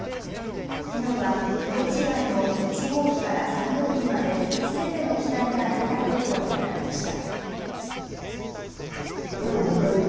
きのうは色違いの１号機から３号機まですべての機体が成田空港に並びました。